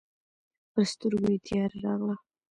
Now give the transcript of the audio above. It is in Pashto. پر سترګو یې تياره راغله.